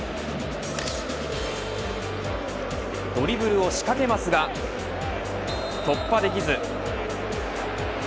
ドリブルを仕掛けますが突破できず。